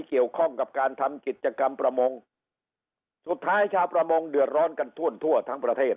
เกี่ยวข้องกับการทำกิจกรรมประมงสุดท้ายชาวประมงเดือดร้อนกันทั่วทั้งประเทศ